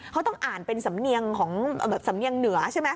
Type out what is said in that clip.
เขาต้องอ่านเป็นสำเนียงเหนือใช่ไหม